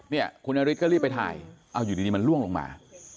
นี่คุณนาริสก็รีบไปถ่ายอยู่ดีมันร่วงลงมา